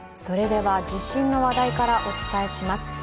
それでは地震の話題からお伝えします。